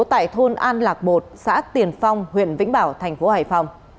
tại thôn an lạc một xã tiền phong huyện vĩnh bảo thành phố hải phòng